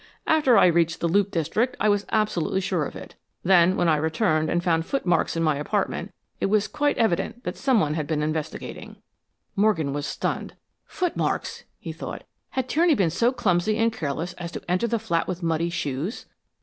After I reached the 'loop' district I was absolutely sure of it. Then, when I returned and found footmarks in my apartment, it was quite evident that someone had been investigating." Morgan was stunned. "Footmarks!" he thought. "Had Tierney been so clumsy and careless as to enter the flat with muddy shoes?"